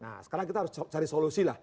nah sekarang kita harus cari solusi lah